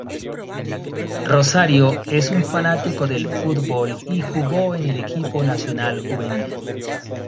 Rosário es un fanático del fútbol y jugó en el equipo nacional juvenil.